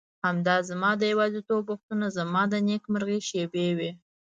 همدا زما د یوازیتوب وختونه زما د نېکمرغۍ شېبې وې.